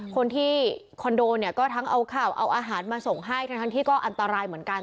คนที่คอนโดเนี่ยก็ทั้งเอาข่าวเอาอาหารมาส่งให้ทั้งที่ก็อันตรายเหมือนกัน